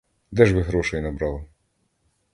Де ж ви грошей набрали?